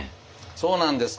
そうなんです